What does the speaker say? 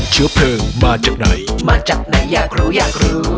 เชื้อเพลิงมาจากไหนมาจากไหนอยากรู้อยากรู้